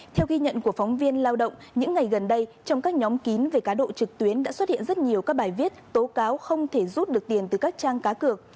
theo ghi nhận của phóng viên lao động những ngày gần đây trong các nhóm kín về cá độ trực tuyến đã xuất hiện rất nhiều các bài viết tố cáo không thể rút được tiền từ các trang cá cược